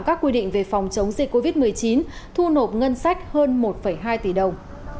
các quy định về phòng chống dịch covid một mươi chín thu nộp ngân sách hơn một hai tỷ đồng